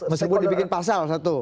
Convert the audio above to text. mesti dibikin pasal satu